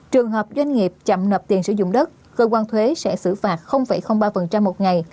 trường hợp doanh nghiệp chậm nộp tiền sử dụng đất cơ quan thuế sẽ xử phạt ba một ngày